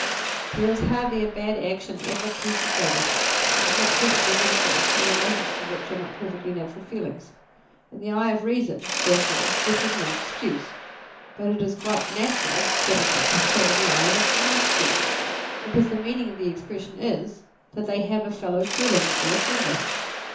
There is hardly a bad action ever perpe trated which is not perfectly natural, and the motives to which are not perfectly natural feelings. In the eye of reason, therefore, this is no excuse, but it is quite " natural " that it should be so in the eyes of the multitude ; because the meaning of the expression is, that they have a fellow feeling with the offender.